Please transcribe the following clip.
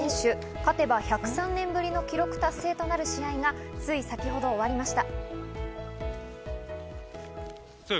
勝てば１０３年ぶりの記録達成となる試合がつい先程終わりました。